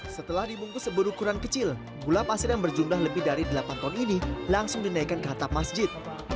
setelah dibungkus berukuran kecil gula pasir yang berjumlah lebih dari delapan ton ini langsung dinaikkan ke hatap masjid